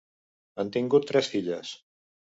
Han tingut tres filles.